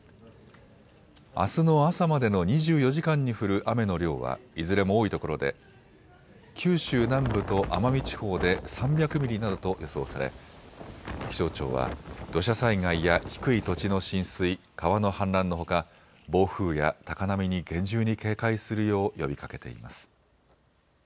あすの朝までの２４時間に降る雨の量はいずれも多いところで九州南部と奄美地方で３００ミリなどと予想され気象庁は土砂災害や低い土地の浸水、川の氾濫のほか暴風や高波に厳重に警戒するよう呼びかけています。